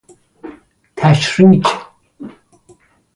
تشریک